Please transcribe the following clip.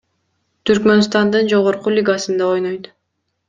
Түркмөнстандын жогорку лигасында ойнойт.